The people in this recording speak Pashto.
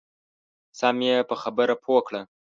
سم یې په خبره پوه کړه.